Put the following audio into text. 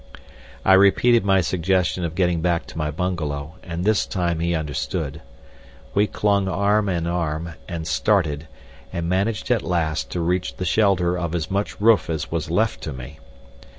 I repeated my suggestion of getting back to my bungalow, and this time he understood. We clung arm in arm and started, and managed at last to reach the shelter of as much roof as was left to me.